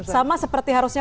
sama seperti harusnya